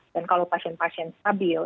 dan kalau pasien pasien stabil